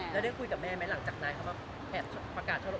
แล้วได้คุยกับแม่ไหมหลังจากนั้นเขามาแอบประกาศเท่าไห